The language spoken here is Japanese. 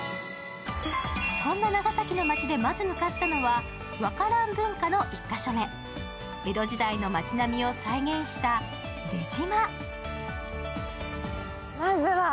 そんな長崎の街でまず向かったのは、和華蘭文化の１カ所目、江戸時代の町並みを再現した出島。